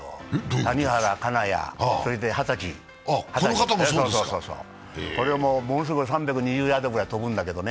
谷原、金谷、それで旗地、これでものすごい３２０ヤードぐらい飛ぶんだけどね